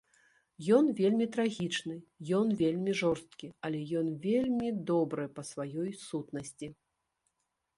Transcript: Ён вельмі трагічны, ён вельмі жорсткі, але ён вельмі добры па сваёй сутнасці.